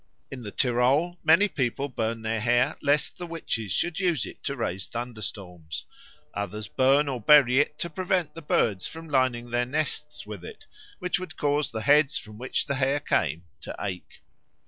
In the Tyrol many people burn their hair lest the witches should use it to raise thunderstorms; others burn or bury it to prevent the birds from lining their nests with it, which would cause the heads from which the hair came to ache.